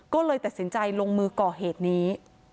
ก็เลยตัดสินใจลงมือก่อเหตุนี้